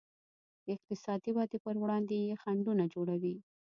د اقتصادي ودې پر وړاندې یې خنډونه جوړوي.